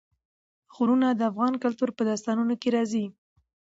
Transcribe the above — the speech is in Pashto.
غرونه د افغان کلتور په داستانونو کې راځي.